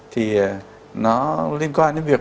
thì nó liên quan đến việc